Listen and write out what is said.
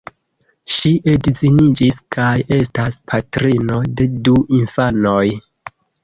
Ŝi edziniĝis kaj estas patrino de du infanoj.